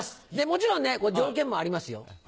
もちろん条件もありますよ。